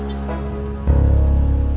tete aku mau